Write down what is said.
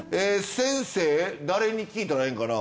先生誰に聞いたらええんかな？